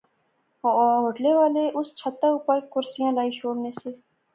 ہوٹلے والے اس چھتے اوپر کرسیاں لائی شوڑنے سے